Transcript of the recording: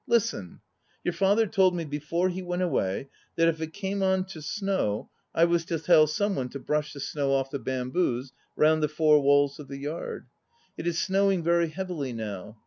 Listen! Your father told me before he went away that if it came on to snow, I was to tell some one to brush the snow off the bamboos round the four walls of the yard. It is snowing very heavily now.